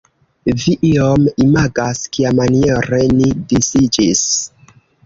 Vi iom imagas kiamaniere ni disiĝis.